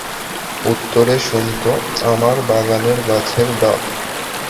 উত্তরে শুনত, আমার বাগানের গাছের ডাব।